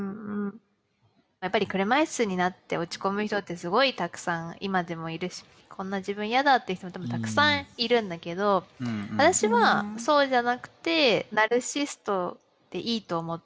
やっぱり車いすになって落ち込む人ってすごいたくさん今でもいるしこんな自分嫌だっていう人もたくさんいるんだけど私はそうじゃなくてナルシストでいいと思ってるのね。